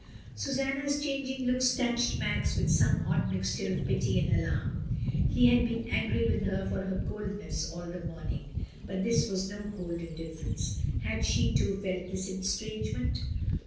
Susanna's changing looks touched Max with some odd mixture of pity and alarm. He had been angry with her for her coldness all the morning. But this was no cold indiff*erence. Had she, too, felt this estrangement?